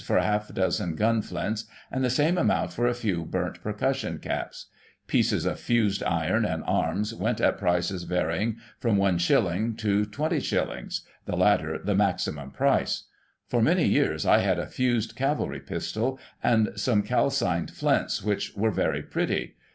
for half a dozen gun flints, and the same amount for a few burnt percussion caps ; pieces of fused iron and arms went at prices varying from is. to 20s., the latter, the maximum price. For many years I had a fused cavalry pistol, and some calcined flints which were very pretty.